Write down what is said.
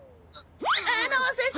あの先生。